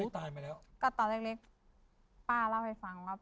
ตอนนี้เล็กป้าเล่าให้ฟัง